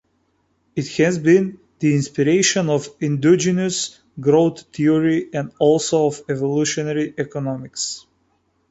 It has been the inspiration of endogenous growth theory and also of evolutionary economics.